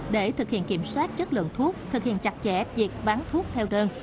để thực hiện kiểm soát chất lượng thuốc thực hiện chặt chẽ việc bán thuốc theo đơn